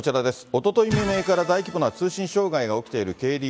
おとといの未明から大規模な通信障害が起きているＫＤＤＩ。